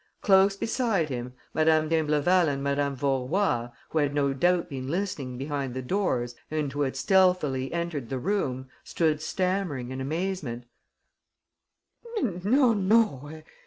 Close beside him, Madame d'Imbleval and Madame Vaurois, who had no doubt been listening behind the doors and who had stealthily entered the room, stood stammering, in amazement: "No, no